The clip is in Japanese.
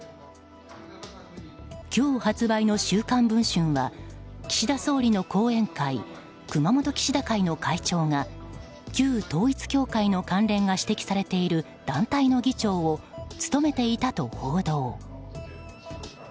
今日発売の「週刊文春」は岸田総理の後援会熊本岸田会の会長が旧統一教会の関連が指摘されている団体の議長を務めていたと報道。